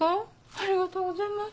ありがとうございます。